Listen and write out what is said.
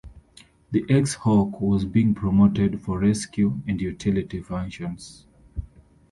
The X-Hawk was being promoted for rescue and utility functions.